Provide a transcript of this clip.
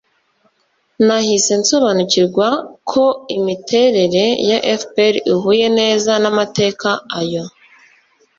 nahise nsobanukirwa ko imiterere ya fpr ihuye neza n'amateka ayo,